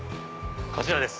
こちらです！